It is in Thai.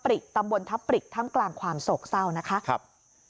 โรงพยาบาลวิทยาลัยโรงพยาบาลวิทยาลัย